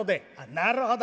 「なるほど。